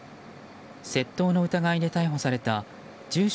窃盗の疑いで逮捕された住所